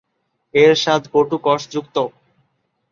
এর স্বাদ কটু-কষযুক্ত।